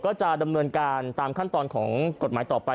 ก็จะดำเนินการตามขั้นตอนของกฎหมายต่อไป